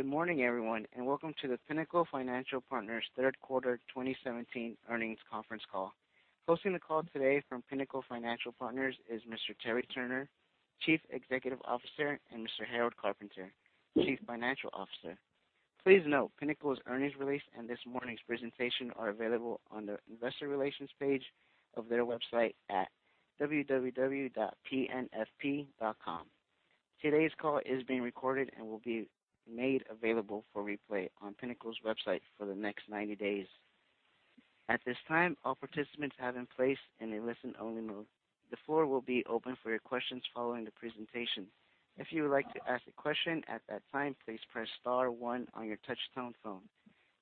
Good morning, everyone, and welcome to the Pinnacle Financial Partners third quarter 2017 earnings conference call. Hosting the call today from Pinnacle Financial Partners is Mr. Terry Turner, Chief Executive Officer, and Mr. Harold Carpenter, Chief Financial Officer. Please note, Pinnacle's earnings release and this morning's presentation are available on the investor relations page of their website at www.pnfp.com. Today's call is being recorded and will be made available for replay on Pinnacle's website for the next 90 days. At this time, all participants have in place in a listen-only mode. The floor will be open for your questions following the presentation. If you would like to ask a question at that time, please press star one on your touch-tone phone.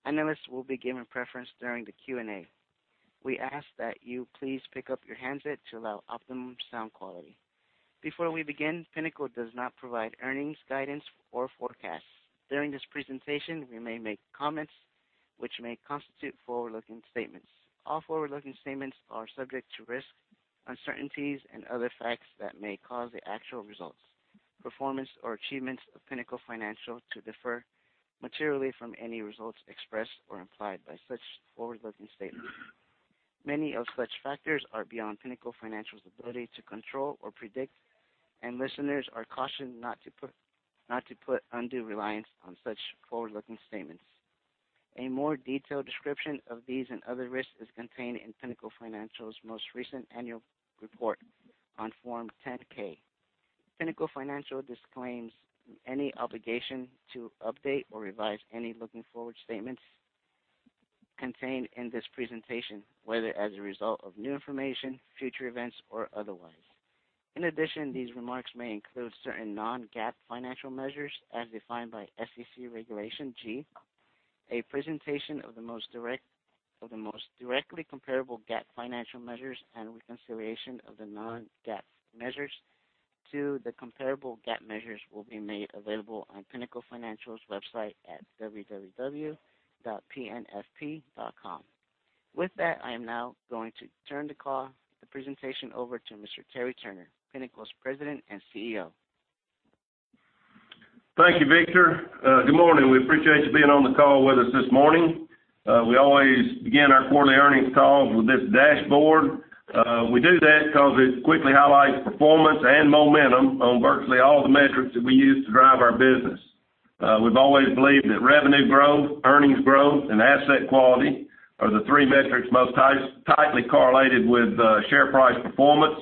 Analysts will be given preference during the Q&A. We ask that you please pick up your handset to allow optimum sound quality. Before we begin, Pinnacle does not provide earnings guidance or forecasts. During this presentation, we may make comments which may constitute forward-looking statements. All forward-looking statements are subject to risks, uncertainties, and other facts that may cause the actual results, performance, or achievements of Pinnacle Financial to differ materially from any results expressed or implied by such forward-looking statements. Many of such factors are beyond Pinnacle Financial's ability to control or predict. Listeners are cautioned not to put undue reliance on such forward-looking statements. A more detailed description of these and other risks is contained in Pinnacle Financial's most recent annual report on Form 10-K. Pinnacle Financial disclaims any obligation to update or revise any forward-looking statements contained in this presentation, whether as a result of new information, future events, or otherwise. In addition, these remarks may include certain non-GAAP financial measures as defined by SEC Regulation G. A presentation of the most directly comparable GAAP financial measures and reconciliation of the non-GAAP measures to the comparable GAAP measures will be made available on Pinnacle Financial's website at www.pnfp.com. With that, I am now going to turn the presentation over to Mr. Terry Turner, Pinnacle's President and CEO. Thank you, Victor. Good morning. We appreciate you being on the call with us this morning. We always begin our quarterly earnings call with this dashboard. We do that because it quickly highlights performance and momentum on virtually all the metrics that we use to drive our business. We've always believed that revenue growth, earnings growth, and asset quality are the three metrics most tightly correlated with share price performance.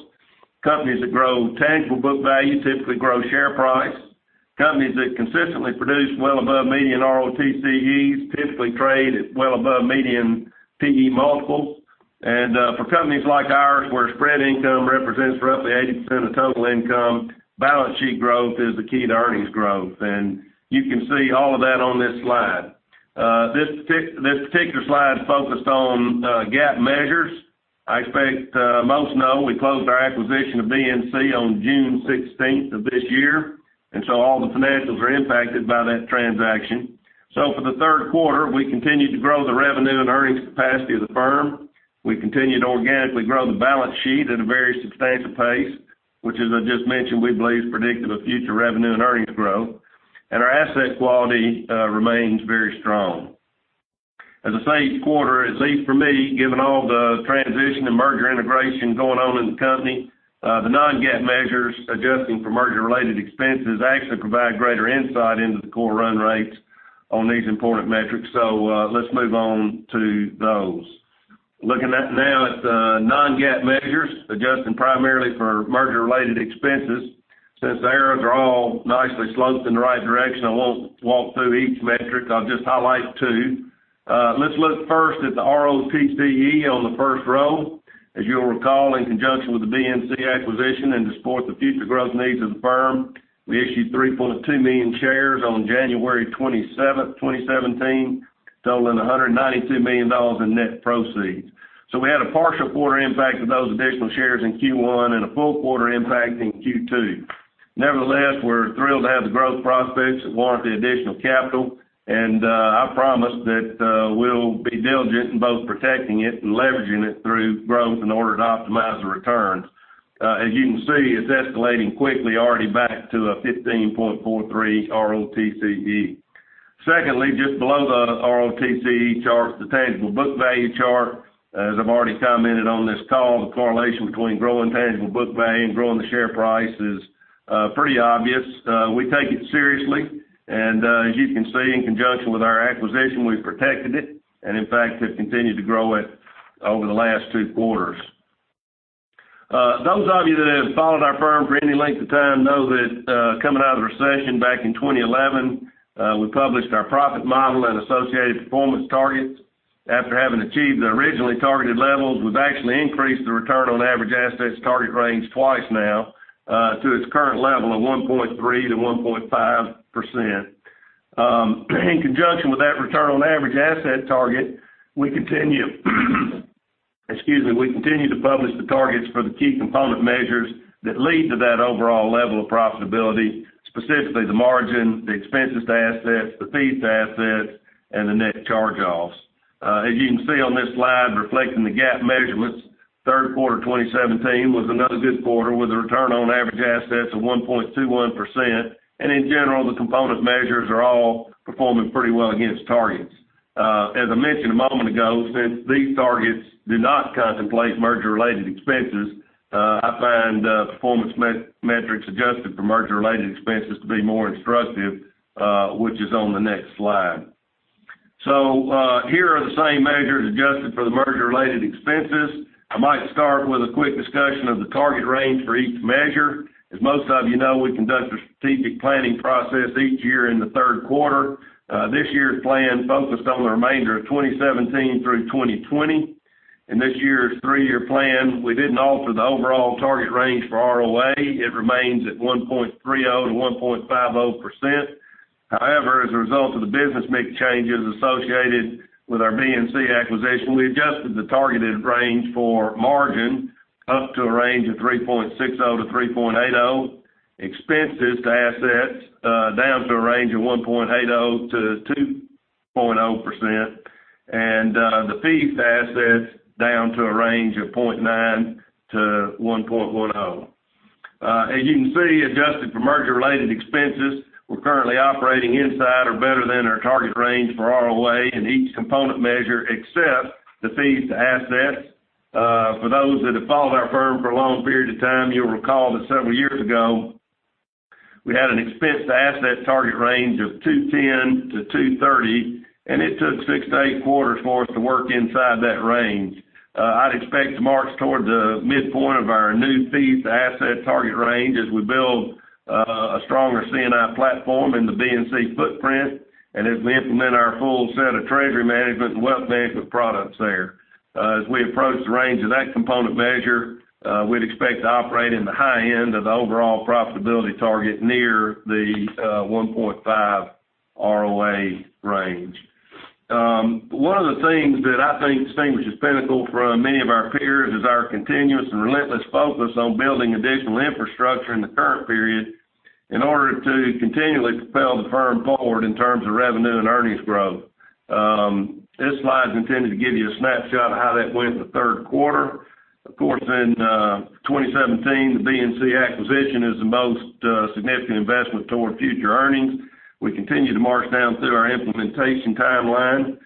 Companies that grow tangible book value typically grow share price. Companies that consistently produce well above median ROTCEs typically trade at well above median PE multiples. For companies like ours, where spread income represents roughly 80% of total income, balance sheet growth is the key to earnings growth. You can see all of that on this slide. This particular slide is focused on GAAP measures. I expect most know we closed our acquisition of BNC on June 16th of this year. All the financials are impacted by that transaction. For the third quarter, we continued to grow the revenue and earnings capacity of the firm. We continued to organically grow the balance sheet at a very substantive pace, which, as I just mentioned, we believe is predictive of future revenue and earnings growth. Our asset quality remains very strong. As I say, each quarter, at least for me, given all the transition and merger integration going on in the company, the non-GAAP measures, adjusting for merger-related expenses, actually provide greater insight into the core run rates on these important metrics. Let's move on to those. Looking now at the non-GAAP measures, adjusting primarily for merger-related expenses. Since the arrows are all nicely sloped in the right direction, I won't walk through each metric. I'll just highlight two. Let's look first at the ROTCE on the first row. As you'll recall, in conjunction with the BNC acquisition and to support the future growth needs of the firm, we issued 3.2 million shares on January 27th, 2017, totaling $192 million in net proceeds. We had a partial quarter impact of those additional shares in Q1 and a full quarter impact in Q2. Nevertheless, we're thrilled to have the growth prospects that warrant the additional capital, and I promise that we'll be diligent in both protecting it and leveraging it through growth in order to optimize the returns. As you can see, it's escalating quickly, already back to a 15.43 ROTCE. Secondly, just below the ROTCE chart, the tangible book value chart, as I've already commented on this call, the correlation between growing tangible book value and growing the share price is pretty obvious. We take it seriously. As you can see, in conjunction with our acquisition, we've protected it, and in fact, have continued to grow it over the last two quarters. Those of you that have followed our firm for any length of time know that coming out of the recession back in 2011, we published our profit model and associated performance targets. After having achieved the originally targeted levels, we've actually increased the return on average assets target range twice now to its current level of 1.3%-1.5%. In conjunction with that return on average asset target, we continue excuse me. We continue to publish the targets for the key component measures that lead to that overall level of profitability, specifically the margin, the expenses to assets, the fees to assets, and the net charge-offs. As you can see on this slide, reflecting the GAAP measurements Third quarter 2017 was another good quarter, with a return on average assets of 1.21%. In general, the component measures are all performing pretty well against targets. As I mentioned a moment ago, since these targets do not contemplate merger-related expenses, I find performance metrics adjusted for merger-related expenses to be more instructive, which is on the next slide. Here are the same measures adjusted for the merger-related expenses. I might start with a quick discussion of the target range for each measure. As most of you know, we conduct a strategic planning process each year in the third quarter. This year's plan focused on the remainder of 2017 through 2020. In this year's three-year plan, we didn't alter the overall target range for ROA. It remains at 1.30%-1.50%. However, as a result of the business mix changes associated with our BNC acquisition, we adjusted the targeted range for margin up to a range of 3.60%-3.80%, expenses to assets down to a range of 1.80%-2.0%, and the fees to assets down to a range of 0.9%-1.10%. As you can see, adjusted for merger-related expenses, we're currently operating inside or better than our target range for ROA in each component measure except the fees to assets. For those that have followed our firm for a long period of time, you'll recall that several years ago, we had an expense-to-asset target range of 2.10%-2.30%, and it took six to eight quarters for us to work inside that range. I'd expect to march towards the midpoint of our new fees-to-asset target range as we build a stronger C&I platform in the BNC footprint, as we implement our full set of treasury management and wealth management products there. As we approach the range of that component measure, we'd expect to operate in the high end of the overall profitability target near the 1.5% ROA range. One of the things that I think distinguishes Pinnacle from many of our peers is our continuous and relentless focus on building additional infrastructure in the current period in order to continually propel the firm forward in terms of revenue and earnings growth. This slide is intended to give you a snapshot of how that went in the third quarter. In 2017, the BNC acquisition is the most significant investment toward future earnings. We continue to march down through our implementation timeline.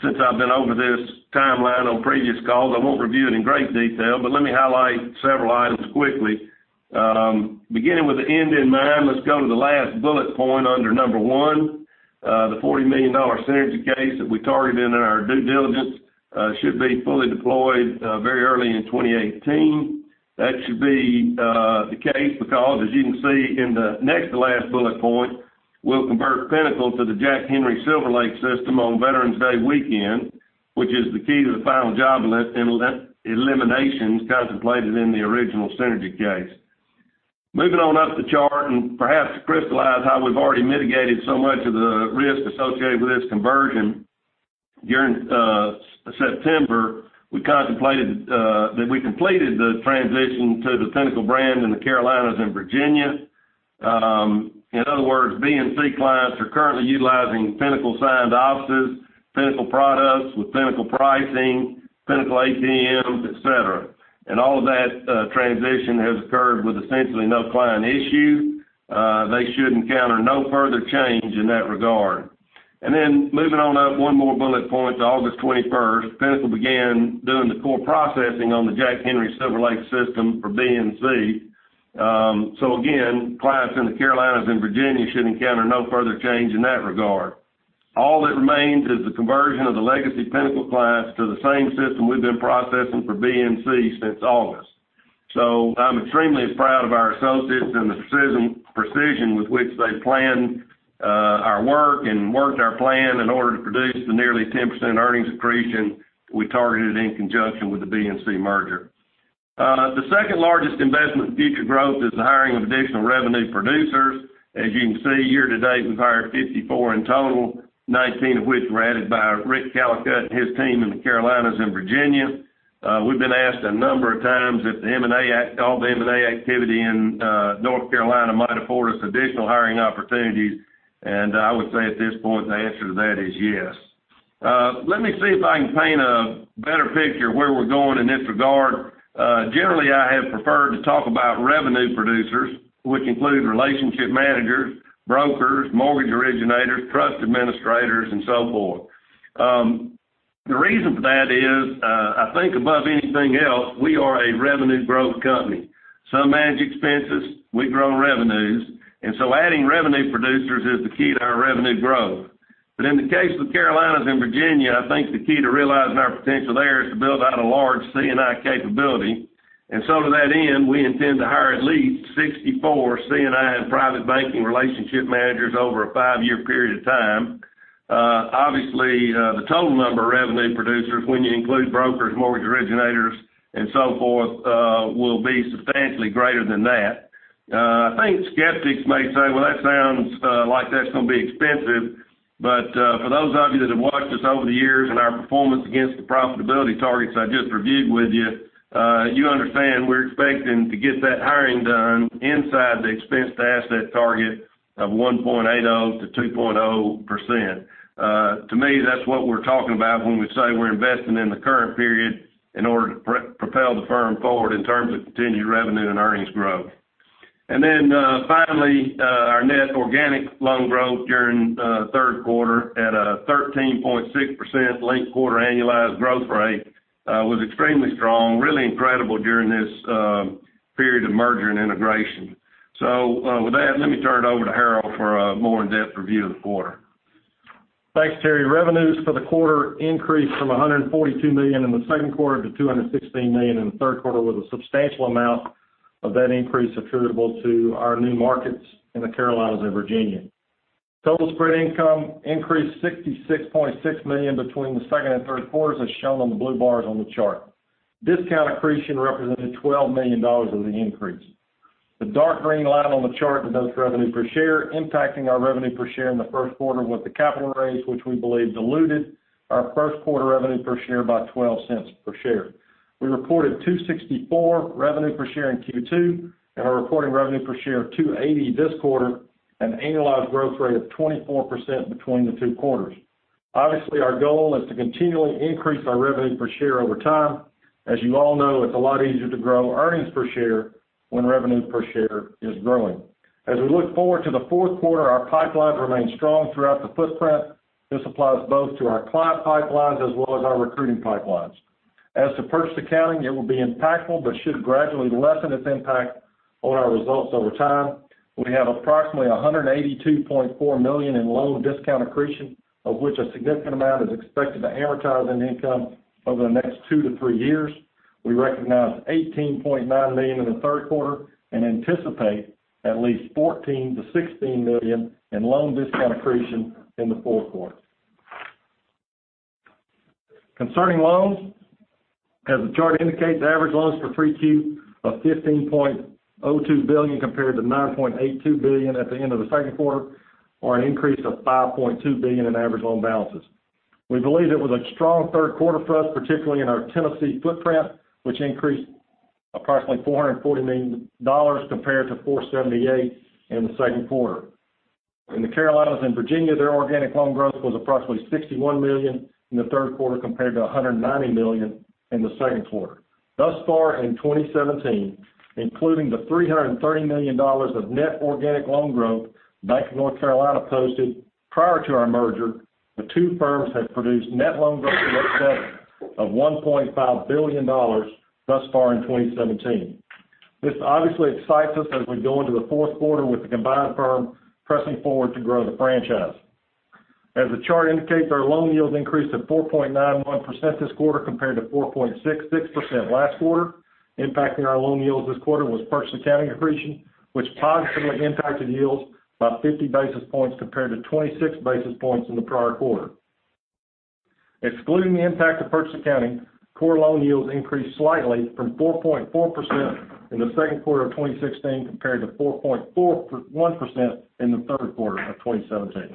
Since I've been over this timeline on previous calls, I won't review it in great detail, but let me highlight several items quickly. Beginning with the end in mind, let's go to the last bullet point under number 1. The $40 million synergy case that we targeted in our due diligence should be fully deployed very early in 2018. That should be the case because, as you can see in the next-to-last bullet point, we'll convert Pinnacle to the Jack Henry SilverLake System on Veterans Day weekend, which is the key to the final job eliminations contemplated in the original synergy case. Moving on up the chart, perhaps to crystallize how we've already mitigated so much of the risk associated with this conversion, during September, we completed the transition to the Pinnacle brand in the Carolinas and Virginia. In other words, BNC clients are currently utilizing Pinnacle-signed offices, Pinnacle products with Pinnacle pricing, Pinnacle ATMs, et cetera. All of that transition has occurred with essentially no client issues. They should encounter no further change in that regard. Moving on up one more bullet point to August 21st, Pinnacle began doing the core processing on the Jack Henry SilverLake System for BNC. Again, clients in the Carolinas and Virginia should encounter no further change in that regard. All that remains is the conversion of the legacy Pinnacle clients to the same system we've been processing for BNC since August. I'm extremely proud of our associates and the precision with which they planned our work and worked our plan in order to produce the nearly 10% earnings accretion we targeted in conjunction with the BNC merger. The second largest investment in future growth is the hiring of additional revenue producers. As you can see, year-to-date, we've hired 54 in total, 19 of which were added by Rick Callicutt and his team in the Carolinas and Virginia. We've been asked a number of times if all the M&A activity in North Carolina might afford us additional hiring opportunities. I would say at this point, the answer to that is yes. Let me see if I can paint a better picture of where we're going in this regard. Generally, I have preferred to talk about revenue producers, which include relationship managers, brokers, mortgage originators, trust administrators, and so forth. The reason for that is, I think above anything else, we are a revenue growth company. Some manage expenses, we grow revenues. Adding revenue producers is the key to our revenue growth. But in the case of the Carolinas and Virginia, I think the key to realizing our potential there is to build out a large C&I capability. To that end, we intend to hire at least 64 C&I and private banking relationship managers over a five-year period of time. Obviously, the total number of revenue producers, when you include brokers, mortgage originators, and so forth, will be substantially greater than that. I think skeptics may say, "Well, that sounds like that's going to be expensive." But for those of you that have watched us over the years and our performance against the profitability targets I just reviewed with you understand we're expecting to get that hiring done inside the expense-to-asset target of 1.80% to 2.0%. To me, that's what we're talking about when we say we're investing in the current period in order to propel the firm forward in terms of continued revenue and earnings growth. Then finally, our net organic loan growth during the third quarter at a 13.6% linked quarter annualized growth rate was extremely strong, really incredible during this period of merger and integration. With that, let me turn it over to Harold for a more in-depth review of the quarter. Thanks, Terry. Revenues for the quarter increased from $142 million in the second quarter to $216 million in the third quarter, with a substantial amount of that increase attributable to our new markets in the Carolinas and Virginia. Total spread income increased to $66.6 million between the second and third quarters, as shown on the blue bars on the chart. Discount accretion represented $12 million of the increase. The dark green line on the chart denotes revenue per share, impacting our revenue per share in the first quarter with the capital raise, which we believe diluted our first quarter revenue per share by $0.12 per share. We reported $2.64 revenue per share in Q2, and are reporting revenue per share of $2.80 this quarter, an annualized growth rate of 24% between the two quarters. Obviously, our goal is to continually increase our revenue per share over time. As you all know, it's a lot easier to grow earnings per share when revenue per share is growing. As we look forward to the fourth quarter, our pipelines remain strong throughout the footprint. This applies both to our client pipelines as well as our recruiting pipelines. As to purchase accounting, it will be impactful but should gradually lessen its impact on our results over time. We have approximately $182.4 million in loan discount accretion, of which a significant amount is expected to amortize in income over the next two to three years. We recognized $18.9 million in the third quarter and anticipate at least $14 million to $16 million in loan discount accretion in the fourth quarter. Concerning loans, as the chart indicates, average loans for 3Q of $15.02 billion compared to $9.82 billion at the end of the second quarter, or an increase of $5.2 billion in average loan balances. We believe it was a strong third quarter for us, particularly in our Tennessee footprint, which increased approximately $440 million compared to $478 million in the second quarter. In the Carolinas and Virginia, their organic loan growth was approximately $61 million in the third quarter compared to $190 million in the second quarter. Thus far in 2017, including the $330 million of net organic loan growth Bank of North Carolina posted prior to our merger, the two firms have produced net loan growth year-to-date of $1.5 billion thus far in 2017. This obviously excites us as we go into the fourth quarter with the combined firm pressing forward to grow the franchise. As the chart indicates, our loan yields increased to 4.91% this quarter, compared to 4.66% last quarter. Impacting our loan yields this quarter was purchase accounting accretion, which positively impacted yields by 50 basis points compared to 26 basis points in the prior quarter. Excluding the impact of purchase accounting, core loan yields increased slightly from 4.4% in the second quarter of 2016 compared to 4.41% in the third quarter of 2017.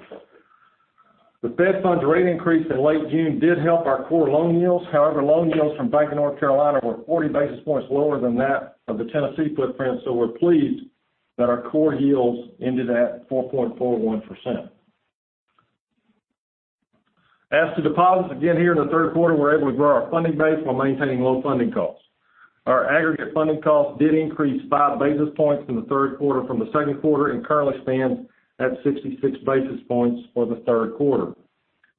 The Fed funds rate increase in late June did help our core loan yields. However, loan yields from Bank of North Carolina were 40 basis points lower than that of the Tennessee footprint, so we're pleased that our core yields ended at 4.41%. As to deposits, again here in the third quarter, we were able to grow our funding base while maintaining low funding costs. Our aggregate funding costs did increase five basis points in the third quarter from the second quarter and currently stands at 66 basis points for the third quarter.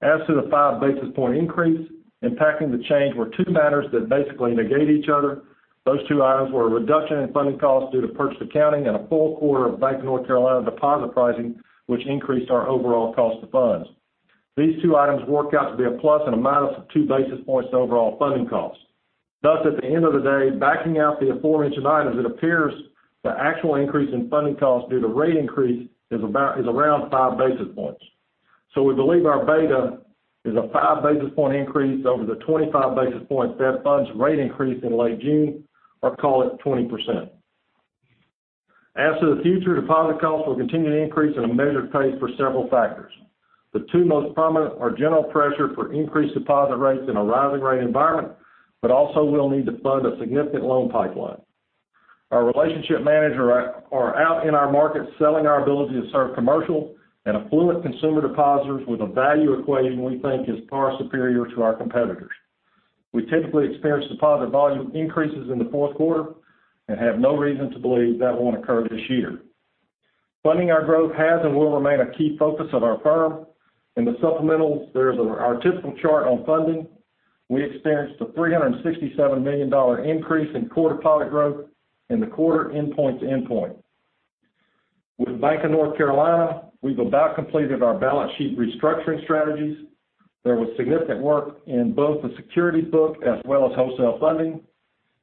As to the five basis point increase, impacting the change were two matters that basically negate each other. Those two items were a reduction in funding costs due to purchase accounting and a full quarter of Bank of North Carolina deposit pricing, which increased our overall cost of funds. These two items work out to be a plus and a minus of two basis points to overall funding costs. Thus, at the end of the day, backing out the aforementioned items, it appears the actual increase in funding costs due to rate increase is around five basis points. We believe our beta is a five basis point increase over the 25 basis point Fed funds rate increase in late June, or call it 20%. As to the future, deposit costs will continue to increase at a measured pace for several factors. The two most prominent are general pressure for increased deposit rates in a rising rate environment, also we'll need to fund a significant loan pipeline. Our relationship managers are out in our markets selling our ability to serve commercial and affluent consumer depositors with a value equation we think is far superior to our competitors. We typically experience deposit volume increases in the fourth quarter and have no reason to believe that won't occur this year. Funding our growth has and will remain a key focus of our firm. In the supplementals, there is our typical chart on funding. We experienced a $367 million increase in core deposit growth in the quarter endpoint to endpoint. With Bank of North Carolina, we've about completed our balance sheet restructuring strategies. There was significant work in both the securities book as well as wholesale funding,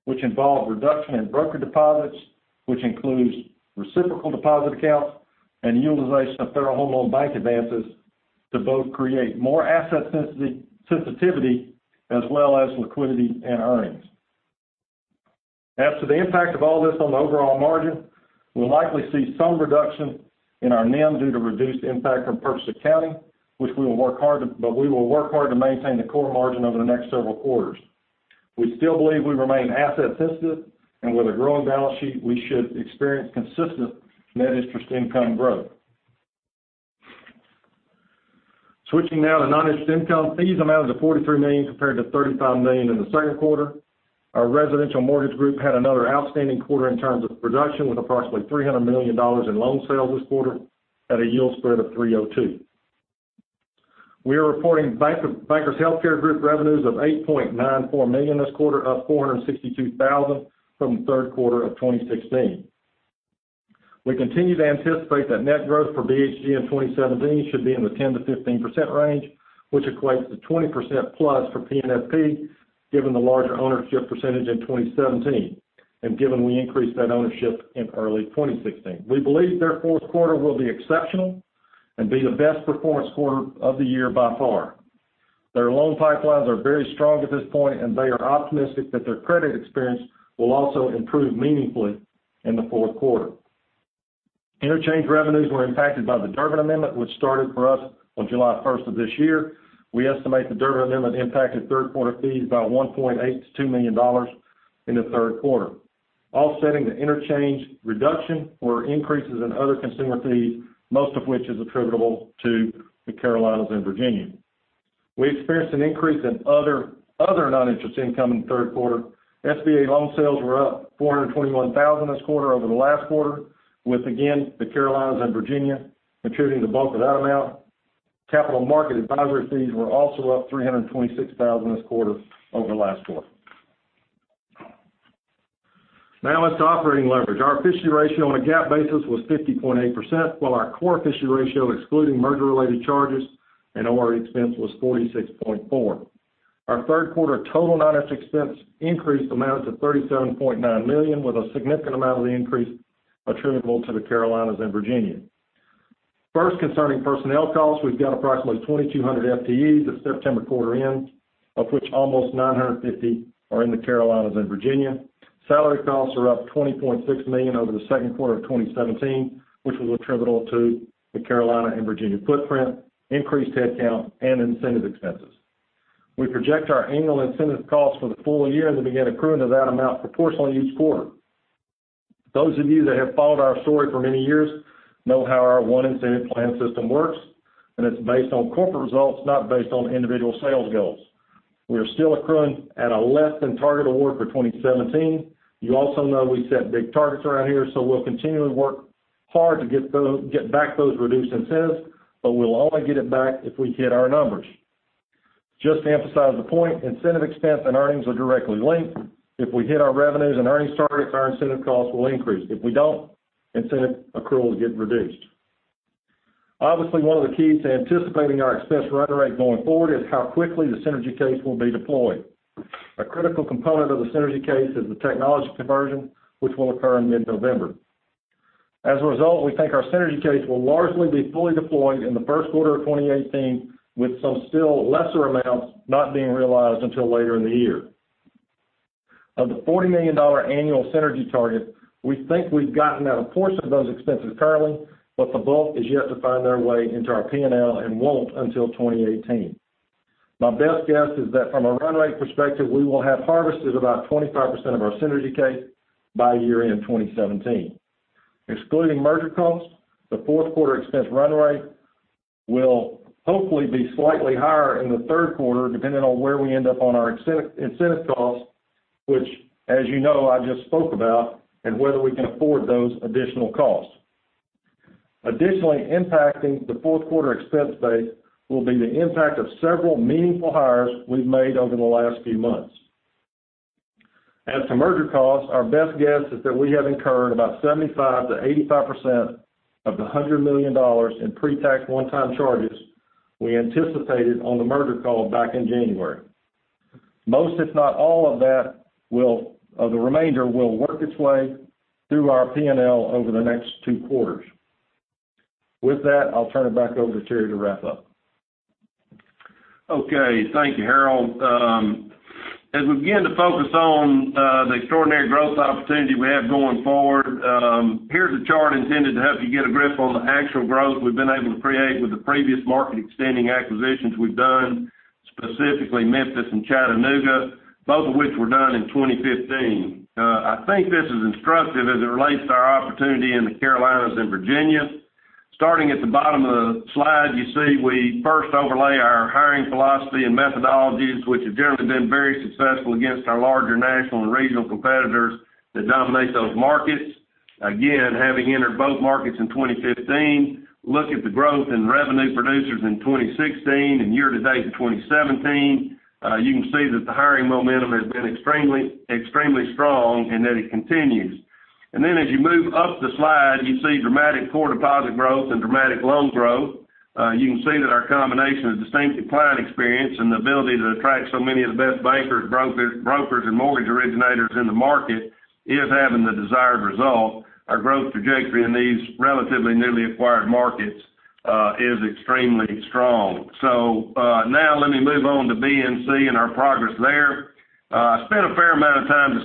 which involved reduction in broker deposits, which includes reciprocal deposit accounts, and utilization of Federal Home Loan Bank advances to both create more asset sensitivity as well as liquidity and earnings. As to the impact of all this on the overall margin, we'll likely see some reduction in our NIM due to reduced impact from purchase accounting, we will work hard to maintain the core margin over the next several quarters. We still believe we remain asset sensitive, and with a growing balance sheet, we should experience consistent net interest income growth. Switching now to non-interest income. Fees amounted to $43 million compared to $35 million in the second quarter. Our residential mortgage group had another outstanding quarter in terms of production, with approximately $300 million in loan sales this quarter at a yield spread of 302. We are reporting Bankers Healthcare Group revenues of $8.94 million this quarter, up $462,000 from the third quarter of 2016. We continue to anticipate that net growth for BHG in 2017 should be in the 10%-15% range, which equates to 20% plus for PNFP, given the larger ownership percentage in 2017, and given we increased that ownership in early 2016. We believe their fourth quarter will be exceptional and be the best performance quarter of the year by far. Their loan pipelines are very strong at this point, and they are optimistic that their credit experience will also improve meaningfully in the fourth quarter. Interchange revenues were impacted by the Durbin Amendment, which started for us on July 1st of this year. We estimate the Durbin Amendment impacted third quarter fees by $1.8 million to $2 million in the third quarter. Offsetting the interchange reduction were increases in other consumer fees, most of which is attributable to the Carolinas and Virginia. We experienced an increase in other non-interest income in the third quarter. SBA loan sales were up $421,000 this quarter over the last quarter, with, again, the Carolinas and Virginia attributing the bulk of that amount. Capital market advisory fees were also up $326,000 this quarter over the last quarter. Let's talk operating leverage. Our efficiency ratio on a GAAP basis was 50.8%, while our core efficiency ratio, excluding merger-related charges and ORE expense, was 46.4%. Our third quarter total non-interest expense increased amounts of $37.9 million, with a significant amount of the increase attributable to the Carolinas and Virginia. First, concerning personnel costs, we've got approximately 2,200 FTEs at September quarter end, of which almost 950 are in the Carolinas and Virginia. Salary costs are up $20.6 million over the second quarter of 2017, which was attributable to the Carolinas and Virginia footprint, increased headcount, and incentive expenses. We project our annual incentive costs for the full year, then begin accruing to that amount proportionally each quarter. Those of you that have followed our story for many years know how our one incentive plan system works, it's based on corporate results, not based on individual sales goals. We are still accruing at a less than target award for 2017. You also know we set big targets around here, we'll continually work hard to get back those reduced incentives, we'll only get it back if we hit our numbers. Just to emphasize the point, incentive expense and earnings are directly linked. If we hit our revenues and earnings targets, our incentive costs will increase. If we don't, incentive accrual will get reduced. Obviously, one of the keys to anticipating our expense run rate going forward is how quickly the synergy case will be deployed. A critical component of the synergy case is the technology conversion, which will occur in mid-November. As a result, we think our synergy case will largely be fully deployed in the first quarter of 2018, with some still lesser amounts not being realized until later in the year. Of the $40 million annual synergy target, we think we've gotten out a portion of those expenses currently, the bulk is yet to find their way into our P&L and won't until 2018. My best guess is that from a run rate perspective, we will have harvested about 25% of our synergy case by year-end 2017. Excluding merger costs, the fourth quarter expense run rate will hopefully be slightly higher in the third quarter, depending on where we end up on our incentive costs, which, as you know, I just spoke about, whether we can afford those additional costs. Additionally impacting the fourth quarter expense base will be the impact of several meaningful hires we've made over the last few months. As to merger costs, our best guess is that we have incurred about 75%-85% of the $100 million in pre-tax one-time charges we anticipated on the merger call back in January. Most, if not all of the remainder, will work its way through our P&L over the next two quarters. With that, I'll turn it back over to Terry to wrap up. Okay. Thank you, Harold. As we begin to focus on the extraordinary growth opportunity we have going forward, here's a chart intended to help you get a grip on the actual growth we've been able to create with the previous market-extending acquisitions we've done, specifically Memphis and Chattanooga, both of which were done in 2015. I think this is instructive as it relates to our opportunity in the Carolinas and Virginia. Starting at the bottom of the slide, you see we first overlay our hiring philosophy and methodologies, which have generally been very successful against our larger national and regional competitors that dominate those markets. Having entered both markets in 2015, look at the growth in revenue producers in 2016 and year to date in 2017. You can see that the hiring momentum has been extremely strong and that it continues. As you move up the slide, you see dramatic core deposit growth and dramatic loan growth. You can see that our combination of distinctive client experience and the ability to attract so many of the best bankers, brokers, and mortgage originators in the market is having the desired result. Our growth trajectory in these relatively newly acquired markets is extremely strong. Now let me move on to BNC and our progress there. I spent a fair amount of time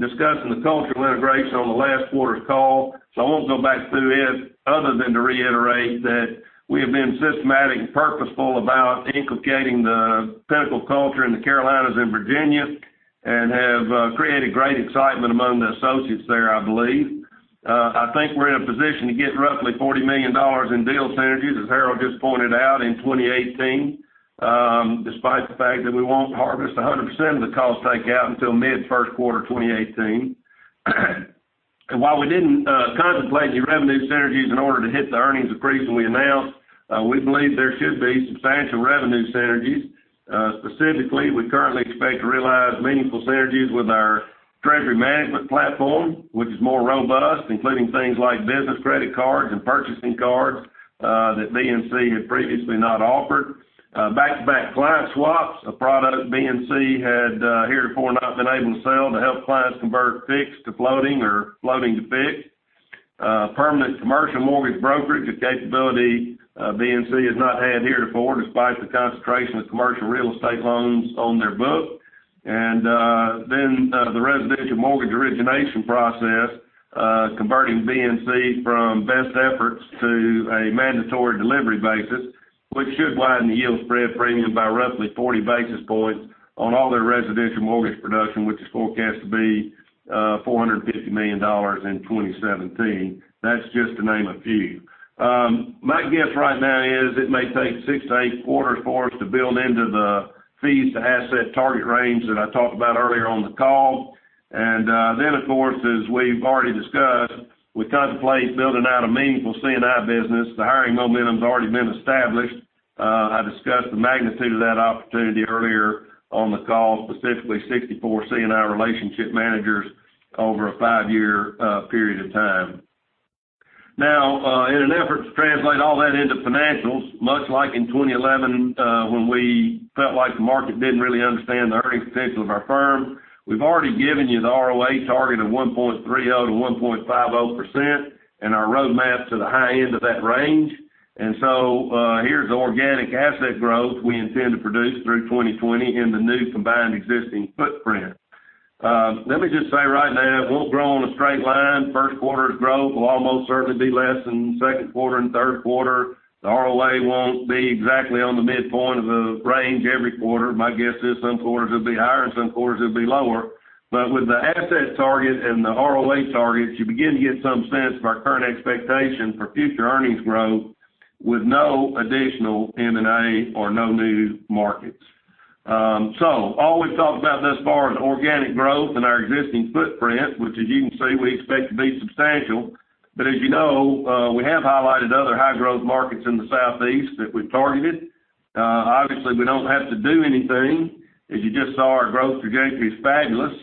discussing the cultural integration on the last quarter's call, so I won't go back through it other than to reiterate that we have been systematic and purposeful about inculcating the Pinnacle culture in the Carolinas and Virginia and have created great excitement among the associates there, I believe. I think we're in a position to get roughly $40 million in deal synergies, as Harold just pointed out, in 2018, despite the fact that we won't harvest 100% of the cost takeout until mid first quarter 2018. While we didn't contemplate any revenue synergies in order to hit the earnings increase when we announced, we believe there should be substantial revenue synergies. Specifically, we currently expect to realize meaningful synergies with our treasury management platform, which is more robust, including things like business credit cards and purchasing cards that BNC had previously not offered. Back-to-back client swaps, a product BNC had heretofore not been able to sell to help clients convert fixed to floating or floating to fixed. Permanent commercial mortgage brokerage, a capability BNC has not had heretofore, despite the concentration of commercial real estate loans on their books. The residential mortgage origination process, converting BNC from best efforts to a mandatory delivery basis, which should widen the yield spread premium by roughly 40 basis points on all their residential mortgage production, which is forecast to be $450 million in 2017. That's just to name a few. My guess right now is it may take six to eight quarters for us to build into the fees to asset target range that I talked about earlier on the call. Of course, as we've already discussed, we contemplate building out a meaningful C&I business. The hiring momentum's already been established. I discussed the magnitude of that opportunity earlier on the call, specifically 64 C&I relationship managers over a five-year period of time. In an effort to translate all that into financials, much like in 2011, when we felt like the market didn't really understand the earning potential of our firm, we've already given you the ROA target of 1.30%-1.50%, and our roadmap to the high end of that range. Here's the organic asset growth we intend to produce through 2020 in the new combined existing footprint. Let me just say right now, it won't grow in a straight line. First quarter's growth will almost certainly be less than second quarter and third quarter. The ROA won't be exactly on the midpoint of the range every quarter. My guess is some quarters it'll be higher and some quarters it'll be lower. With the asset target and the ROA targets, you begin to get some sense of our current expectations for future earnings growth with no additional M&A or no new markets. All we've talked about thus far is organic growth in our existing footprint, which, as you can see, we expect to be substantial. As you know, we have highlighted other high-growth markets in the Southeast that we've targeted. Obviously, we don't have to do anything. As you just saw, our growth trajectory is fabulous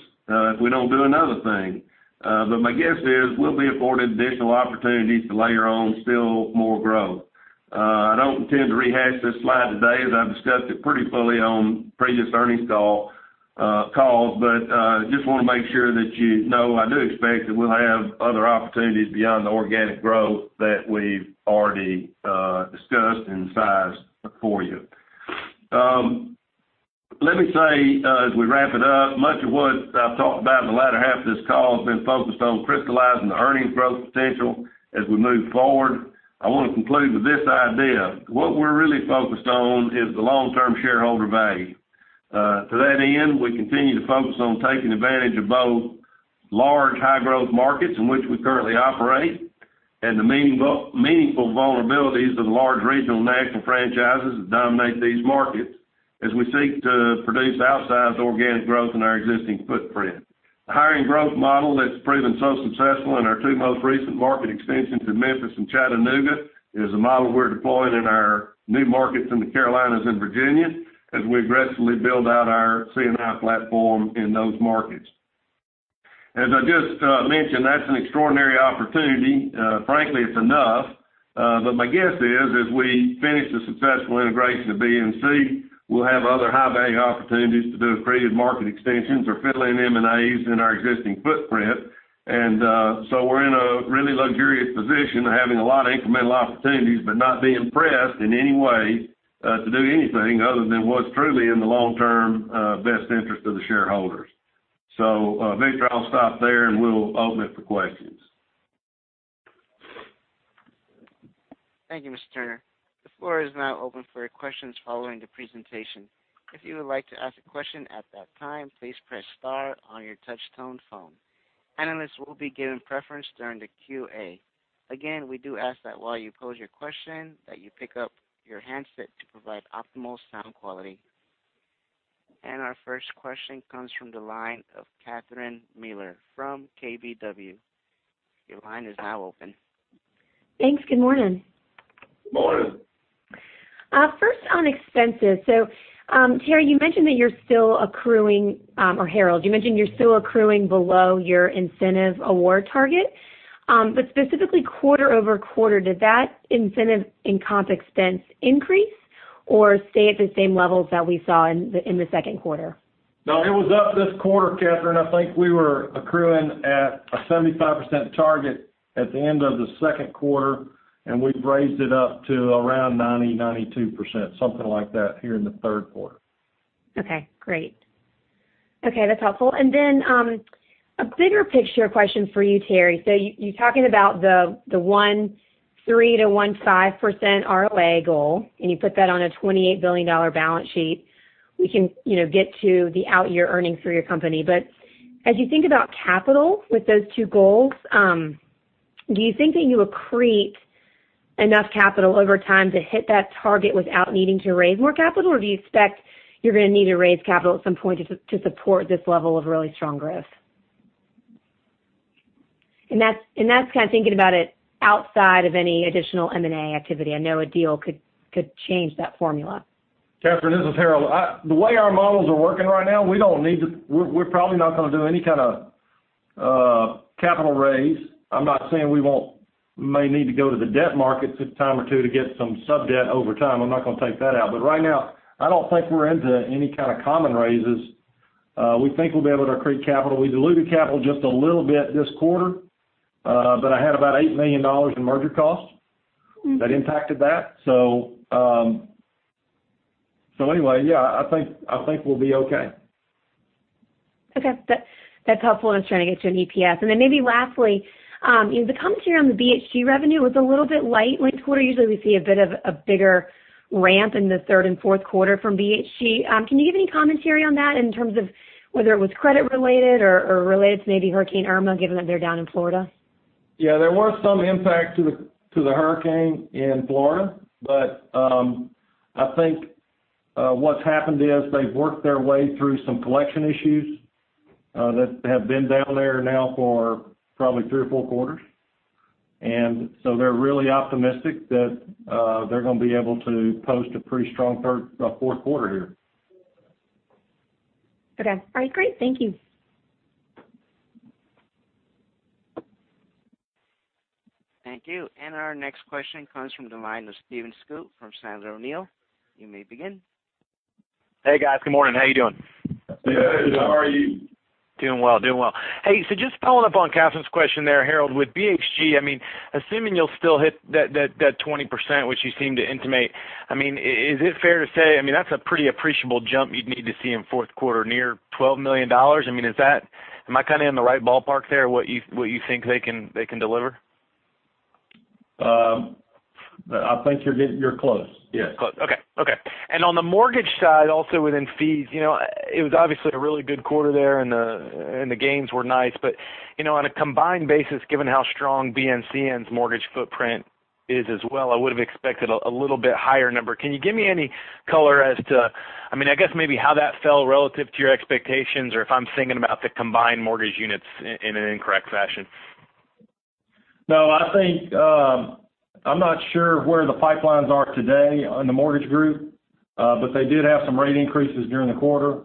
if we don't do another thing. My guess is we'll be afforded additional opportunities to layer on still more growth. I don't intend to rehash this slide today, as I've discussed it pretty fully on previous earnings calls. Just want to make sure that you know I do expect that we'll have other opportunities beyond the organic growth that we've already discussed and sized for you. Let me say, as we wrap it up, much of what I've talked about in the latter half of this call has been focused on crystallizing the earnings growth potential as we move forward. I want to conclude with this idea. What we're really focused on is the long-term shareholder value. To that end, we continue to focus on taking advantage of both large high-growth markets in which we currently operate and the meaningful vulnerabilities of the large regional national franchises that dominate these markets as we seek to produce outsized organic growth in our existing footprint. The hiring growth model that's proven so successful in our two most recent market expansions in Memphis and Chattanooga is a model we're deploying in our new markets in the Carolinas and Virginia as we aggressively build out our C&I platform in those markets. As I just mentioned, that's an extraordinary opportunity. Frankly, it's enough. My guess is, as we finish the successful integration of BNC, we'll have other high-value opportunities to do accretive market extensions or friendly M&As in our existing footprint. We're in a really luxurious position of having a lot of incremental opportunities but not being pressed in any way to do anything other than what's truly in the long-term best interest of the shareholders. Victor, I'll stop there, and we'll open it for questions. Thank you, Mr. Turner. The floor is now open for your questions following the presentation. If you would like to ask a question at that time, please press star on your touch-tone phone. Analysts will be given preference during the QA. Again, we do ask that while you pose your question, that you pick up your handset to provide optimal sound quality. Our first question comes from the line of Catherine Mealor from KBW. Your line is now open. Thanks. Good morning. Morning. First on expenses. Terry, you mentioned that you're still accruing, or Harold, you mentioned you're still accruing below your incentive award target. Specifically quarter-over-quarter, did that incentive in comp expense increase or stay at the same levels that we saw in the second quarter? No, it was up this quarter, Catherine. I think we were accruing at a 75% target at the end of the second quarter, and we've raised it up to around 90%, 92%, something like that, here in the third quarter. Okay, great. That's helpful. A bigger picture question for you, Terry. You're talking about the 1.3% to 1.5% ROA goal, you put that on a $28 billion balance sheet, we can get to the out year earnings for your company. As you think about capital with those two goals, do you think that you accrete enough capital over time to hit that target without needing to raise more capital? Or do you expect you're going to need to raise capital at some point to support this level of really strong growth? That's kind of thinking about it outside of any additional M&A activity. I know a deal could change that formula. Catherine, this is Harold. The way our models are working right now, we're probably not going to do any kind of capital raise. I'm not saying we won't. We may need to go to the debt market a time or two to get some sub-debt over time. I'm not going to take that out. Right now, I don't think we're into any kind of common raises. We think we'll be able to accrete capital. We diluted capital just a little bit this quarter, I had about $8 million in merger costs that impacted that. Anyway, yeah, I think we'll be okay. Okay. That's helpful. I was trying to get to an EPS. Maybe lastly, the commentary on the BHG revenue was a little bit light linked quarter. Usually we see a bit of a bigger ramp in the third and fourth quarter from BHG. Can you give any commentary on that in terms of whether it was credit related or related to maybe Hurricane Irma, given that they're down in Florida? Yeah, there was some impact to the hurricane in Florida. I think what's happened is they've worked their way through some collection issues that have been down there now for probably three or four quarters. They're really optimistic that they're going to be able to post a pretty strong fourth quarter here. Okay. All right, great. Thank you. Thank you. Our next question comes from the line of Stephen Scouten from Sandler O'Neill. You may begin. Hey, guys. Good morning. How you doing? Hey. How are you? Doing well. Just following up on Catherine's question there, Harold, with BHG, assuming you'll still hit that 20%, which you seem to intimate, is it fair to say, that's a pretty appreciable jump you'd need to see in fourth quarter, near $12 million? Am I kind of in the right ballpark there, what you think they can deliver? I think you're close, yes. Close. Okay. On the mortgage side, also within fees, it was obviously a really good quarter there, and the gains were nice. On a combined basis, given how strong BNCN's mortgage footprint is as well, I would've expected a little bit higher number. Can you give me any color as to, I guess maybe how that fell relative to your expectations, or if I'm thinking about the combined mortgage units in an incorrect fashion? No. I'm not sure where the pipelines are today on the mortgage group. They did have some rate increases during the quarter,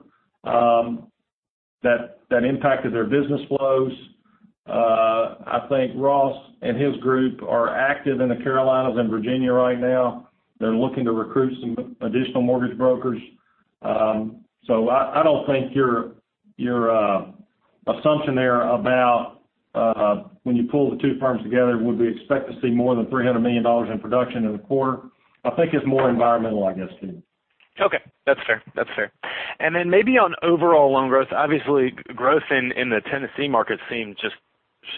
that impacted their business flows. I think Ross and his group are active in the Carolinas and Virginia right now. They're looking to recruit some additional mortgage brokers. I don't think your assumption there about, when you pull the two firms together, would we expect to see more than $300 million in production in the quarter? I think it's more environmental, I guess, Stephen. Okay. That's fair. Maybe on overall loan growth, obviously growth in the Tennessee market seemed just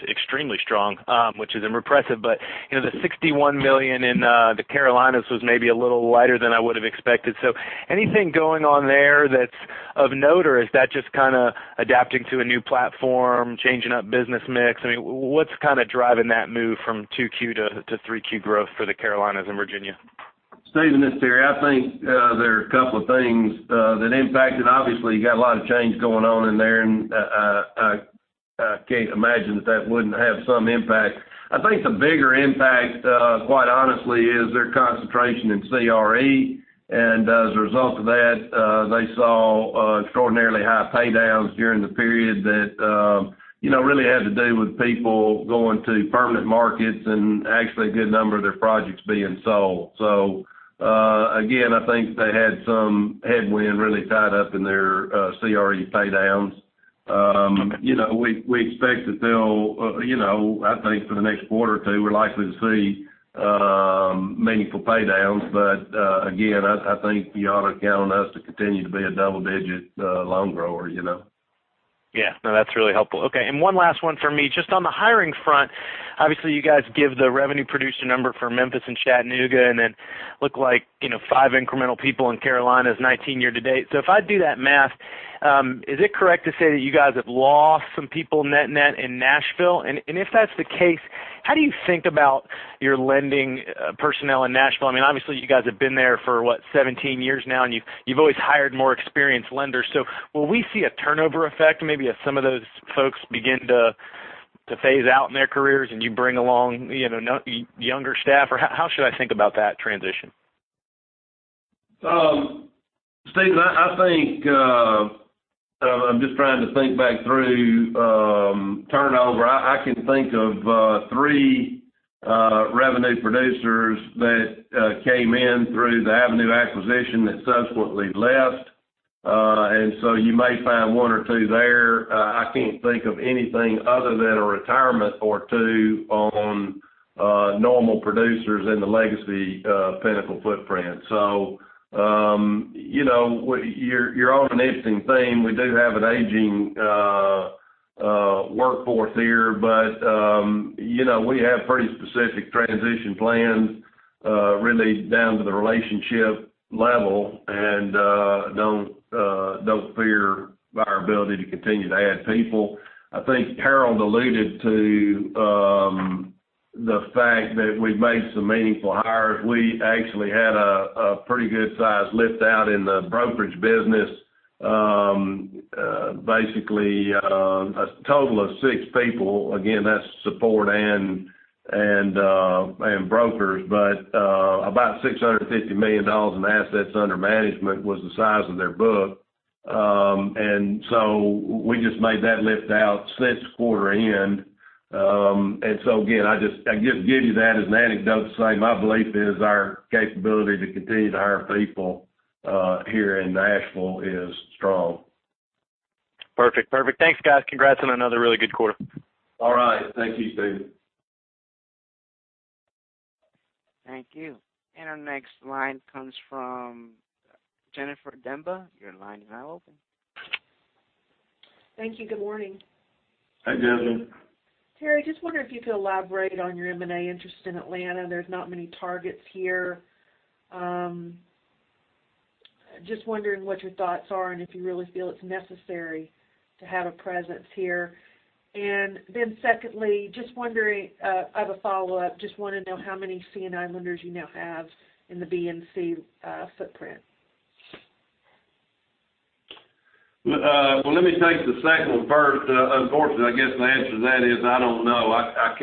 extremely strong, which is impressive. The $61 million in the Carolinas was maybe a little lighter than I would've expected. Anything going on there that's of note, or is that just kind of adapting to a new platform, changing up business mix? What's kind of driving that move from 2Q to 3Q growth for the Carolinas and Virginia? Stephen, it's Terry. I think there are a couple of things that impacted. Obviously, you got a lot of change going on in there, I can't imagine that that wouldn't have some impact. I think the bigger impact, quite honestly, is their concentration in CRE. As a result of that, they saw extraordinarily high pay downs during the period that really had to do with people going to permanent markets and actually a good number of their projects being sold. Again, I think they had some headwind really tied up in their CRE pay downs. We expect that they'll, I think for the next quarter or two, we're likely to see meaningful pay downs. Again, I think you ought to count on us to continue to be a double-digit loan grower. Yeah. No, that's really helpful. Okay, one last one for me. Just on the hiring front, obviously you guys give the revenue producer number for Memphis and Chattanooga, then look like five incremental people in Carolinas, 19 year-to-date. If I do that math, is it correct to say that you guys have lost some people net in Nashville? If that's the case, how do you think about your lending personnel in Nashville? Obviously you guys have been there for, what, 17 years now, you've always hired more experienced lenders. Will we see a turnover effect maybe as some of those folks begin to phase out in their careers and you bring along younger staff, or how should I think about that transition? Stephen, I'm just trying to think back through turnover. I can think of three revenue producers that came in through the Avenue acquisition that subsequently left. You may find one or two there. I can't think of anything other than a retirement or two on normal producers in the legacy Pinnacle footprint. You're onto an interesting theme. We do have an aging workforce here. We have pretty specific transition plans, really down to the relationship level, don't fear our ability to continue to add people. I think Harold alluded to the fact that we've made some meaningful hires. We actually had a pretty good size lift-out in the brokerage business. Basically, a total of six people. Again, that's support and brokers, but about $650 million in assets under management was the size of their book. We just made that lift-out since quarter end. again, I give you that as an anecdote to say my belief is our capability to continue to hire people here in Nashville is strong. Perfect. Thanks, guys. Congrats on another really good quarter. All right. Thank you, Stephen. Thank you. Our next line comes from Jennifer Demba. Your line is now open. Thank you. Good morning. Hi, Jen. Terry, just wondering if you could elaborate on your M&A interest in Atlanta. There's not many targets here. Just wondering what your thoughts are and if you really feel it's necessary to have a presence here. Then secondly, I have a follow-up. Just want to know how many C&I lenders you now have in the BNC footprint. Well, let me take the second one first. Unfortunately, I guess the answer to that is I don't know. I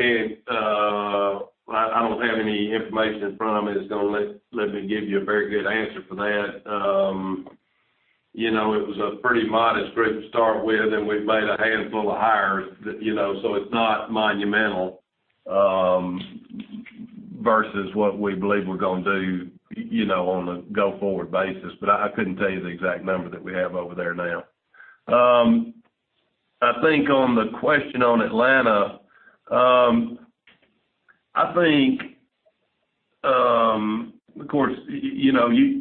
don't have any information in front of me that's going to let me give you a very good answer for that. It was a pretty modest group to start with, and we've made a handful of hires, so it's not monumental, versus what we believe we're going to do on a go-forward basis. I couldn't tell you the exact number that we have over there now. I think on the question on Atlanta,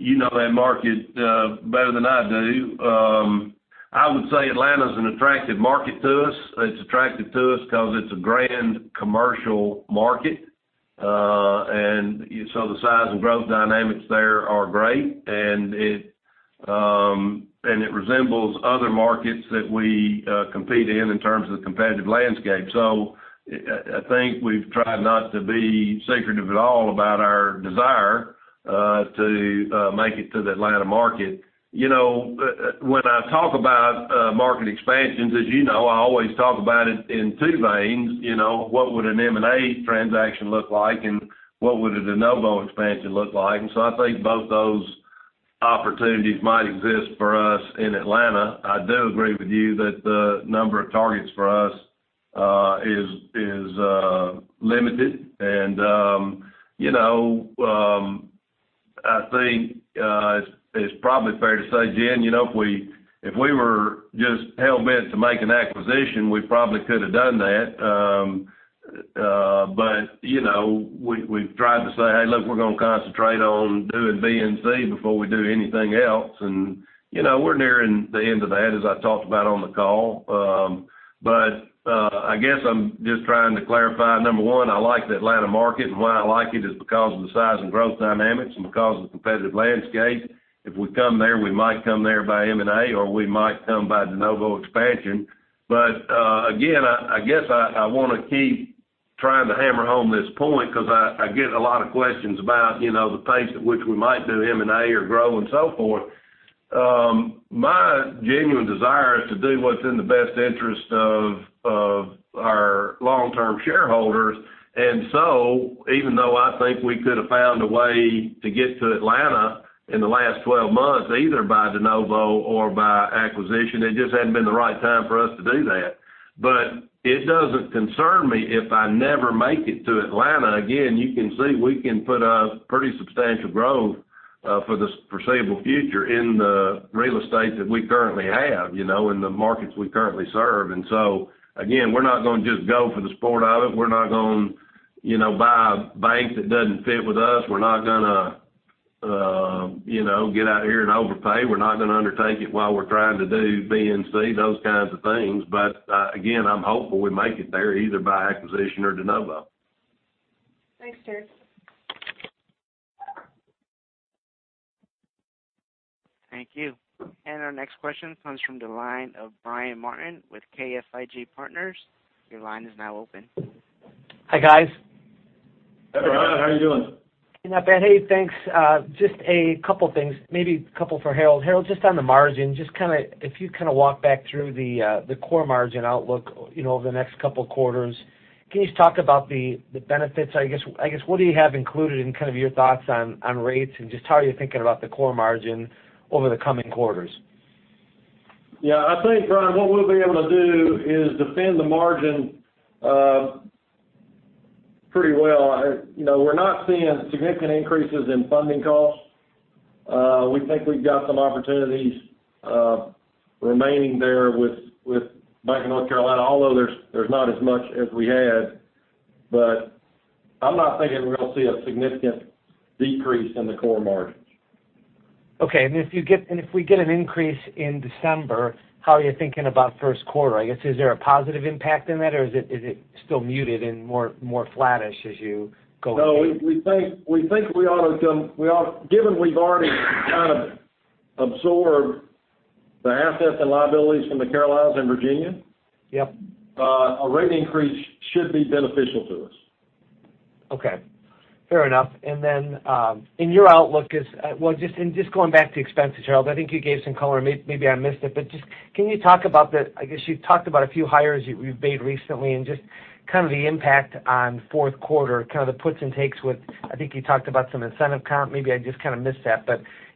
you know that market better than I do. I would say Atlanta's an attractive market to us. It's attractive to us because it's a grand commercial market. So the size and growth dynamics there are great, and it resembles other markets that we compete in terms of the competitive landscape. I think we've tried not to be secretive at all about our desire to make it to the Atlanta market. When I talk about market expansions, as you know, I always talk about it in two veins, what would an M&A transaction look like, and what would a de novo expansion look like. I think both those opportunities might exist for us in Atlanta. I do agree with you that the number of targets for us is limited. I think it's probably fair to say, Jen, if we were just hell-bent to make an acquisition, we probably could have done that. We've tried to say, "Hey, look, we're going to concentrate on doing BNC before we do anything else." We're nearing the end of that, as I talked about on the call. I guess I'm just trying to clarify, number 1, I like the Atlanta market, and why I like it is because of the size and growth dynamics and because of the competitive landscape. If we come there, we might come there by M&A, or we might come by de novo expansion. Again, I guess I want to keep trying to hammer home this point because I get a lot of questions about the pace at which we might do M&A or grow and so forth. My genuine desire is to do what's in the best interest of our long-term shareholders. Even though I think we could have found a way to get to Atlanta in the last 12 months, either by de novo or by acquisition, it just hadn't been the right time for us to do that. It doesn't concern me if I never make it to Atlanta. Again, you can see we can put a pretty substantial growth for the foreseeable future in the real estate that we currently have, in the markets we currently serve. Again, we're not going to just go for the sport of it. We're not going to buy a bank that doesn't fit with us. We're not going to get out here and overpay. We're not going to undertake it while we're trying to do BNC, those kinds of things. Again, I'm hopeful we make it there either by acquisition or de novo. Thanks, Terry. Thank you. Our next question comes from the line of Brian Martin with FIG Partners. Your line is now open. Hi, guys. Hey, Brian. How are you doing? Not bad. Hey, thanks. Just a couple things, maybe a couple for Harold. Harold, just on the margin, if you walk back through the core margin outlook over the next couple quarters, can you just talk about the benefits, I guess, what do you have included in your thoughts on rates, and just how are you thinking about the core margin over the coming quarters? Yeah. I think, Brian, what we'll be able to do is defend the margin pretty well. We're not seeing significant increases in funding costs. We think we've got some opportunities remaining there with Bank of North Carolina, although there's not as much as we had. I'm not thinking we're going to see a significant decrease in the core margins. Okay. If we get an increase in December, how are you thinking about first quarter? I guess, is there a positive impact in that, or is it still muted and more flattish as you go ahead? We think given we've already kind of absorbed the assets and liabilities from the Carolinas and Virginia- Yep a rate increase should be beneficial to us. Okay. Fair enough. Then, in your outlook, and just going back to expenses, Harold, I think you gave some color, maybe I missed it. Can you talk about the, I guess, you talked about a few hires you've made recently and just kind of the impact on fourth quarter, kind of the puts and takes with, I think you talked about some incentive comp. Maybe I just kind of missed that.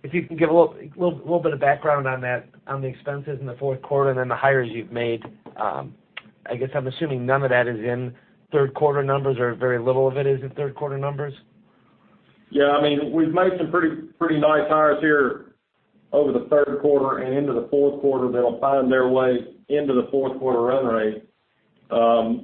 If you can give a little bit of background on the expenses in the fourth quarter and then the hires you've made. I guess I'm assuming none of that is in third quarter numbers, or very little of it is in third quarter numbers. Yeah. We've made some pretty nice hires here over the third quarter and into the fourth quarter that'll find their way into the fourth quarter run rate. I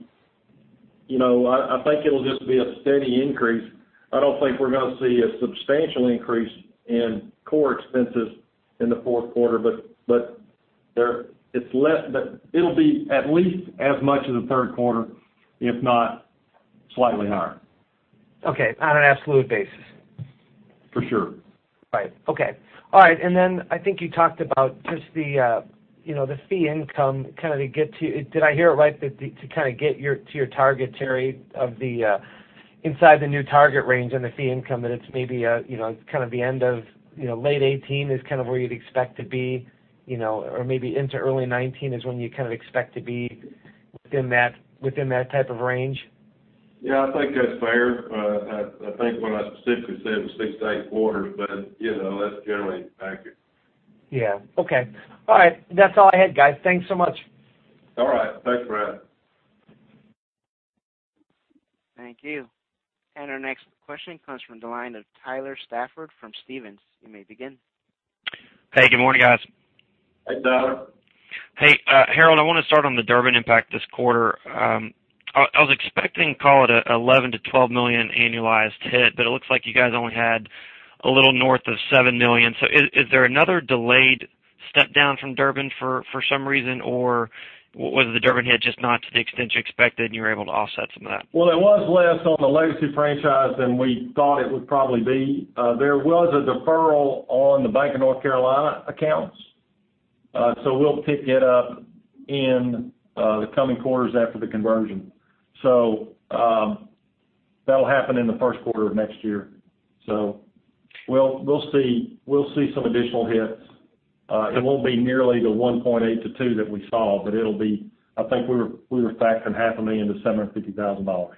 think it'll just be a steady increase. I don't think we're going to see a substantial increase in core expenses in the fourth quarter, but it'll be at least as much as the third quarter, if not slightly higher. Okay. On an absolute basis. For sure. Right. Okay. All right. I think you talked about just the fee income. Did I hear it right, to kind of get to your target, Terry, of the inside the new target range on the fee income, that it's maybe kind of the end of late 2018 is kind of where you'd expect to be, or maybe into early 2019 is when you kind of expect to be within that type of range? Yeah, I think that's fair. I think what I specifically said was six to eight quarters, but that's generally accurate. Yeah. Okay. All right. That's all I had, guys. Thanks so much. All right. Thanks, Brian. Thank you. Our next question comes from the line of Tyler Stafford from Stephens Inc. You may begin. Hey, good morning, guys. Hey, Tyler. Hey, Harold, I want to start on the Durbin Amendment impact this quarter. I was expecting, call it, an $11 million-$12 million annualized hit, but it looks like you guys only had a little north of $7 million. Is there another delayed step down from the Durbin Amendment for some reason, or was the Durbin Amendment hit just not to the extent you expected, and you were able to offset some of that? Well, it was less on the legacy franchise than we thought it would probably be. There was a deferral on the Bank of North Carolina accounts. We'll pick it up in the coming quarters after the conversion. That'll happen in the first quarter of next year. We'll see some additional hits. It won't be nearly the $1.8 million-$2 million that we saw, but I think we were factoring half a million to $750,000.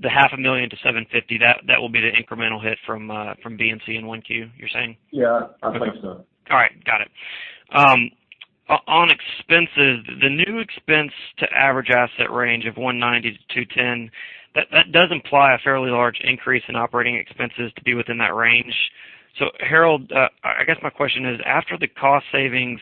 The half a million to $750,000, that will be the incremental hit from BNC in 1Q, you're saying? Yeah, I think so. All right. Got it. On expenses, the new expense to average asset range of 190 to 210, that does imply a fairly large increase in operating expenses to be within that range. Harold, I guess my question is, after the cost savings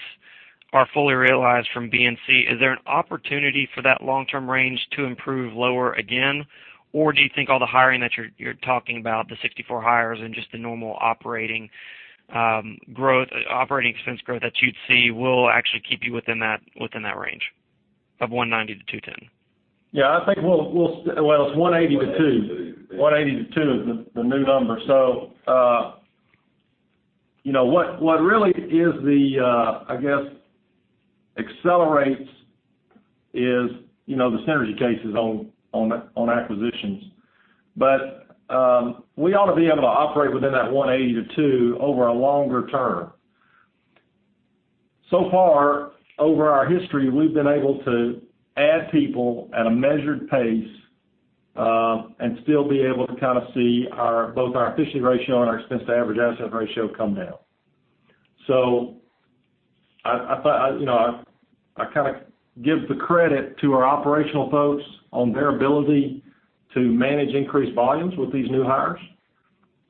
are fully realized from BNC, is there an opportunity for that long-term range to improve lower again? Or do you think all the hiring that you're talking about, the 64 hires and just the normal operating expense growth that you'd see, will actually keep you within that range of 190 to 210? I think it's 180 to 2. 180 to 2 is the new number. What really is the accelerates is the synergy cases on acquisitions. We ought to be able to operate within that 180 to 2 over a longer term. So far, over our history, we've been able to add people at a measured pace, and still be able to see both our efficiency ratio and our expense to average asset ratio come down. I give the credit to our operational folks on their ability to manage increased volumes with these new hires.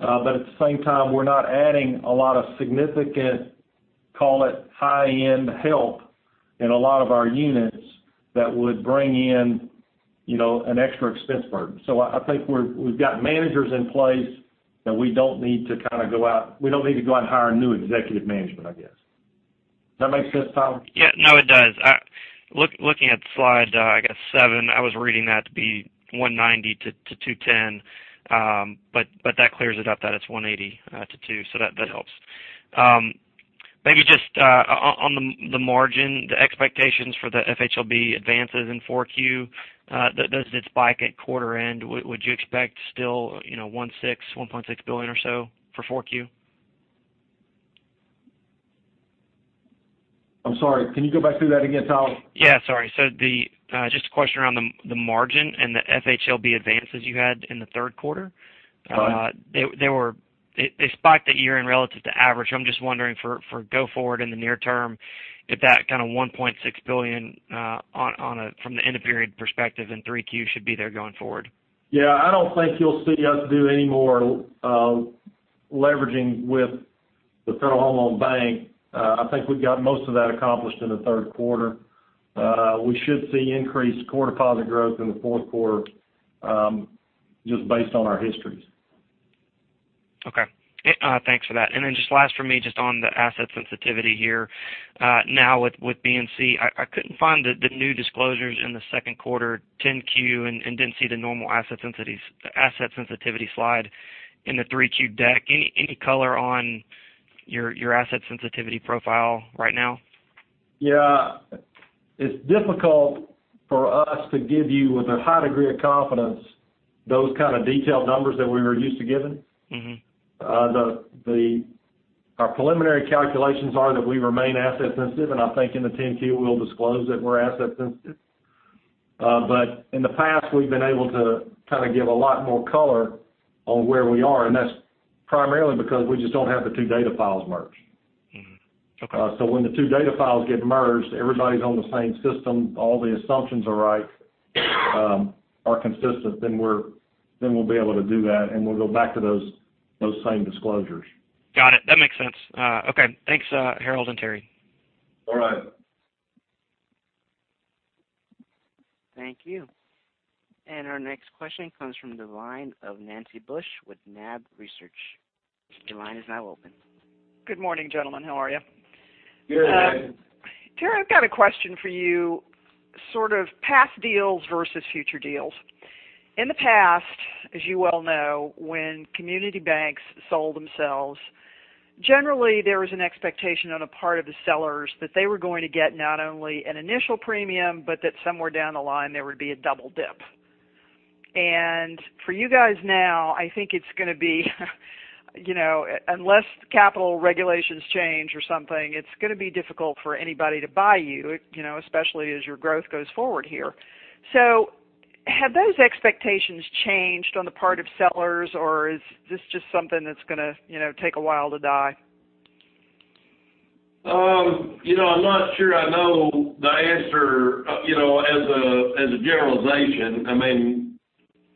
At the same time, we're not adding a lot of significant, call it, high-end help in a lot of our units that would bring in an extra expense burden. I think we've got managers in place that we don't need to go out and hire new executive management. Does that make sense, Tyler? No, it does. Looking at slide seven, I was reading that to be 190 to 210. That clears it up that it's 180 to 2, that helps. Maybe just on the margin, the expectations for the FHLB advances in 4Q, does it spike at quarter end? Would you expect still, $1.6 billion or so for 4Q? I'm sorry, can you go back through that again, Tyler? Sorry. Just a question around the margin and the FHLB advances you had in the third quarter. Sorry. They spiked at year-end relative to average. I'm just wondering for go forward in the near term, if that kind of $1.6 billion from the end of period perspective in 3Q should be there going forward. I don't think you'll see us do any more leveraging with the Federal Home Loan Bank. I think we've got most of that accomplished in the third quarter. We should see increased core deposit growth in the fourth quarter, just based on our histories. Okay. Thanks for that. Just last from me, just on the asset sensitivity here. Now with BNC, I couldn't find the new disclosures in the second quarter 10-Q, and didn't see the normal asset sensitivity slide in the 3Q deck. Any color on your asset sensitivity profile right now? It's difficult for us to give you, with a high degree of confidence, those kind of detailed numbers that we were used to giving. Our preliminary calculations are that we remain asset sensitive, and I think in the Form 10-Q, we'll disclose that we're asset sensitive. In the past, we've been able to kind of give a lot more color on where we are, and that's primarily because we just don't have the two data files merged. Okay. When the two data files get merged, everybody's on the same system, all the assumptions are right, are consistent, then we'll be able to do that, and we'll go back to those same disclosures. Got it. That makes sense. Okay. Thanks, Harold and Terry. All right. Thank you. Our next question comes from the line of Nancy Bush with NAB Research. Your line is now open. Good morning, gentlemen. How are you? Good, Nancy. Terry, I've got a question for you, sort of past deals versus future deals. In the past, as you well know, when community banks sold themselves, generally, there was an expectation on the part of the sellers that they were going to get not only an initial premium, but that somewhere down the line there would be a double dip. For you guys now, I think it's going to be unless capital regulations change or something, it's going to be difficult for anybody to buy you, especially as your growth goes forward here. Have those expectations changed on the part of sellers, or is this just something that's going to take a while to die? I'm not sure I know the answer as a generalization.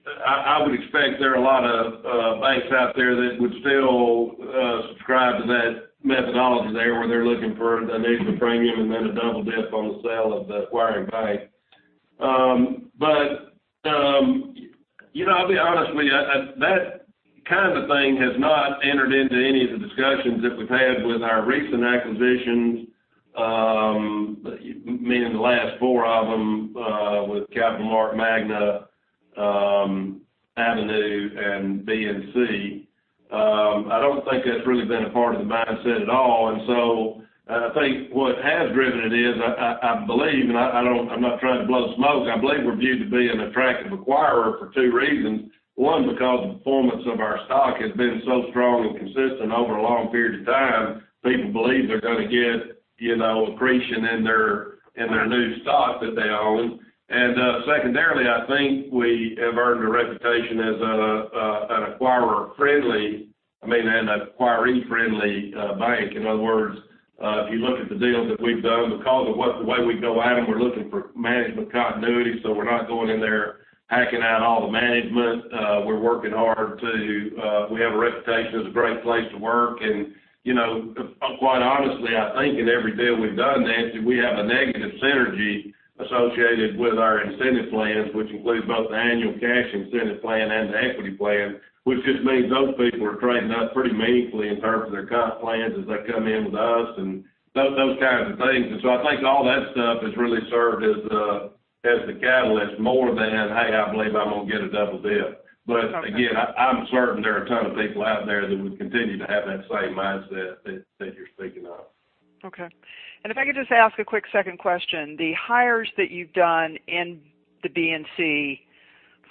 I would expect there are a lot of banks out there that would still subscribe to that methodology there, where they're looking for an initial premium and then a double dip on the sale of the acquiring bank. I'll be honest with you, that kind of thing has not entered into any of the discussions that we've had with our recent acquisitions, meaning the last four of them, with CapitalMark, Magna, Avenue, and BNC. I don't think that's really been a part of the mindset at all. I think what has driven it is, I believe, and I'm not trying to blow smoke, I believe we're viewed to be an attractive acquirer for two reasons. One, because the performance of our stock has been so strong and consistent over a long period of time. People believe they're going to get accretion in their new stock that they own. Secondarily, I think we have earned a reputation as an acquirer-friendly and an acquiree-friendly bank. In other words, if you look at the deals that we've done, because of the way we go at them, we're looking for management continuity. We're not going in there hacking out all the management. We have a reputation as a great place to work. Quite honestly, I think in every deal we've done, Nancy, we have a negative synergy associated with our incentive plans, which includes both the annual cash incentive plan and the equity plan, which just means those people are trading up pretty meaningfully in terms of their comp plans as they come in with us and those kinds of things. I think all that stuff has really served as the catalyst more than, "Hey, I believe I'm going to get a double dip. Okay I'm certain there are a ton of people out there that would continue to have that same mindset that you're speaking of. Okay. If I could just ask a quick second question. The hires that you've done in the BNC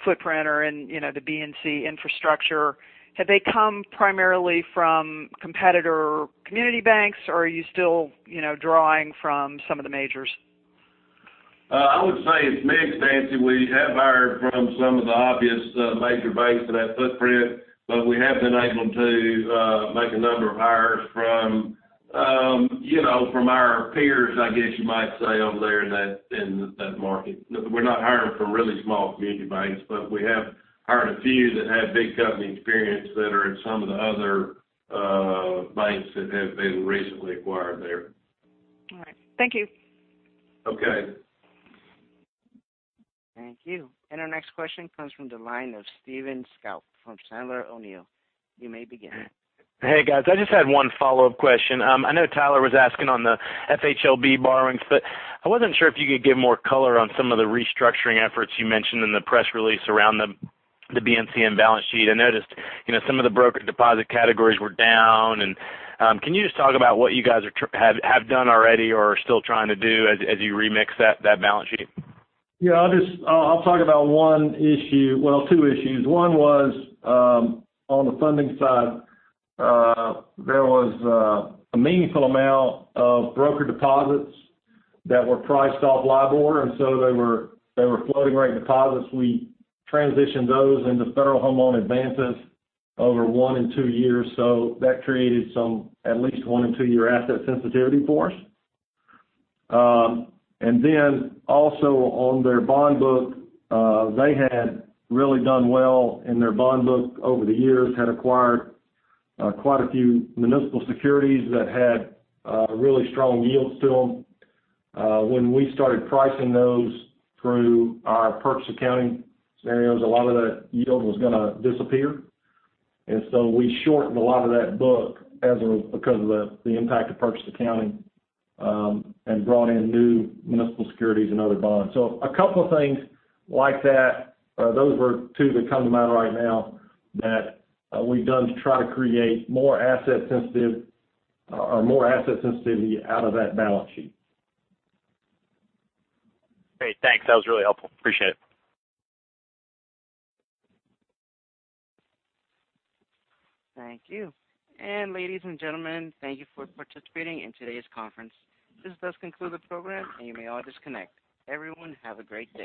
footprint or in the BNC infrastructure, have they come primarily from competitor community banks, or are you still drawing from some of the majors? I would say it's mixed, Nancy. We have hired from some of the obvious major banks that have footprint, we have been able to make a number of hires from our peers, I guess you might say, over there in that market. We're not hiring from really small community banks, we have hired a few that have big company experience that are in some of the other banks that have been recently acquired there. All right. Thank you. Okay. Thank you. Our next question comes from the line of Stephen Scouten from Sandler O'Neill. You may begin. Hey, guys. I just had one follow-up question. I know Tyler was asking on the FHLB borrowings, but I wasn't sure if you could give more color on some of the restructuring efforts you mentioned in the press release around the BNC balance sheet. I noticed some of the broker deposit categories were down. Can you just talk about what you guys have done already or are still trying to do as you remix that balance sheet? Yeah, I'll talk about one issue. Well, two issues. One was, on the funding side, there was a meaningful amount of broker deposits that were priced off LIBOR, and so they were floating-rate deposits. We transitioned those into federal home loan advances over one and two years. That created some at least one and two-year asset sensitivity for us. Also on their bond book, they had really done well in their bond book over the years, had acquired quite a few municipal securities that had really strong yields to them. When we started pricing those through our purchase accounting scenarios, a lot of that yield was going to disappear. We shortened a lot of that book because of the impact of purchase accounting, and brought in new municipal securities and other bonds. A couple of things like that. Those were two that come to mind right now that we've done to try to create more asset sensitivity out of that balance sheet. Great. Thanks. That was really helpful. Appreciate it. Thank you. Ladies and gentlemen, thank you for participating in today's conference. This does conclude the program, and you may all disconnect. Everyone, have a great day.